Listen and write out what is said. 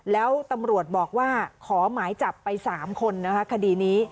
แล้วตำรวจบอกว่าขอหมายจับไป๓คนนะคะคดีนี้